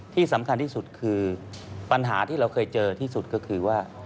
ที่สำคัญที่สุดคือปัญหาที่เราเคยเจอที่สุดก็คือว่า